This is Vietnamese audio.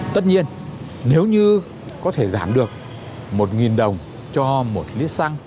tất nhiên nếu như có thể giảm được một đồng cho một lít xăng